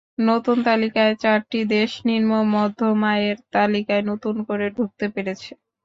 নতুন তালিকায় চারটি দেশ নিম্ন মধ্যম আয়ের তালিকায় নতুন করে ঢুকতে পেরেছে।